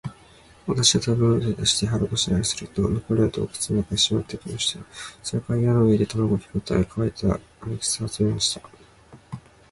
私は食物を取り出して、腹ごしらえをすると、残りは洞穴の中にしまっておきました。それから岩の上で卵を拾ったり、乾いた枯草を集めました。